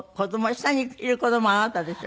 下にいる子供あなたでしょ？